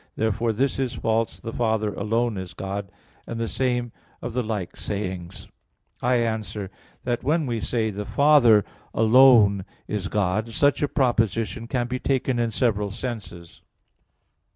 Therefore this is false, The Father alone is God; and the same of the like sayings. I answer that, When we say, "The Father alone is God," such a proposition can be taken in several senses.